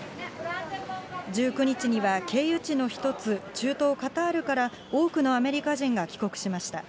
１９日には経由地の一つ、中東カタールから多くのアメリカ人が帰国しました。